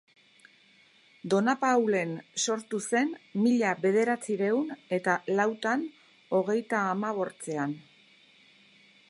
Donapaulen sortu zen mila bederatzirehun eta lautan hogeitahamabortzean.